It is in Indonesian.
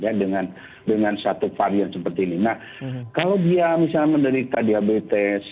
kalau dia menderita diabetes